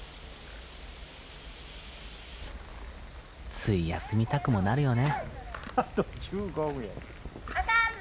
つい休みたくもなるよね。